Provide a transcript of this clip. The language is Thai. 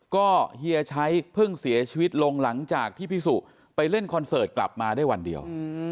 ก็เฮียชัยเพิ่งเสียชีวิตลงหลังจากที่พี่สุไปเล่นคอนเสิร์ตกลับมาได้วันเดียว